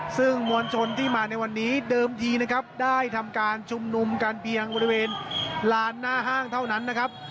ซึ่งมวลชนที่มาในวันนี้เดิมทีนะครับได้ทำการชุมนุมกันเพียงบริเวณลานหน้าห้างเท่านั้นนะครับ